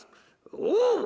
「おう！